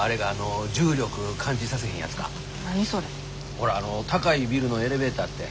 ほら高いビルのエレベーターって。